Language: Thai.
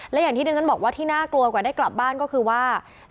และอย่างที่ดิฉันบอกว่าที่น่ากลัวกว่าได้กลับบ้านก็คือว่า